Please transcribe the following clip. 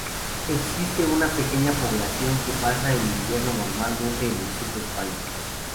Existe una pequeña población que pasa el invierno normalmente en el sur de España.